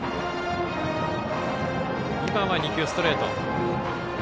今は２球、ストレート。